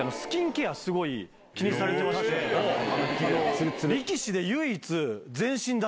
ツルッツル！